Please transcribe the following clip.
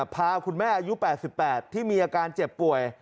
พาคุณแม่อายุ๘๘ที่มีอาการเจ็บป่วย